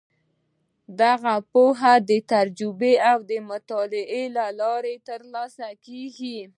دغه پوهه د تجربې او مطالعې له لارې ترلاسه کیږي.